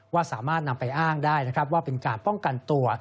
ว่าสามารถนำไปอ้างได้นะครับว่าเป็นการป้องกันตัว